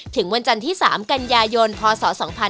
ถึงวันจันทร์ที่๓กันยายนพศ๒๕๕๙